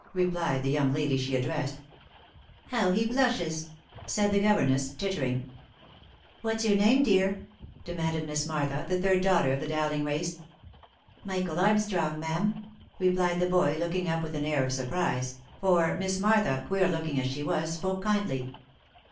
replied the young lady she addressed. " How he blushes !" said the governess, tittering. "What's your name, dear?" demanded Miss Martha, the third daughter of the Dowling race. " Michael Armstrong, ma'am," replied the boy, looking up with an air of surprise, for Miss Martha, queer looking as she was, spoke kindly.